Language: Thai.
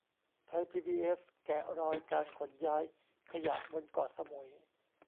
ไทยพีบีเอสแกะรอยการขนย้ายขยะบนเกาะสมุย